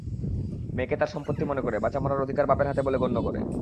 মেয়েকে তার সম্পত্তি মনে করে, বাঁচা-মরার অধিকার বাপের হাতে বলে গণ্য করে।